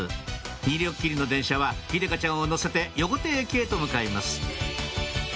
２両きりの電車は秀香ちゃんを乗せて横手駅へと向かいます